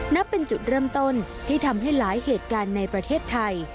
นับเป็นจุดเริ่มต้นที่ทำให้หลายเหตุการณ์ในประเทศไทย